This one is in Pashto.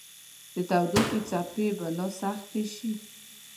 د تودوخې څپې به لا سختې شي